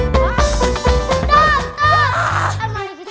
ya terima kasih